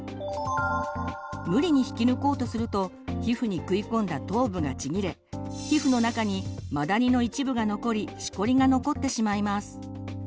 無理に引き抜こうとすると皮膚に食い込んだ頭部がちぎれ皮膚の中にマダニの一部が残りしこりが残ってしまいます。